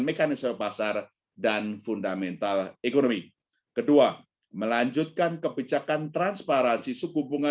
mekanisme pasar dan fundamental ekonomi kedua melanjutkan kebijakan transparansi suku bunga